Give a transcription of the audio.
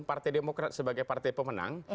partai demokrat sebagai partai pemenang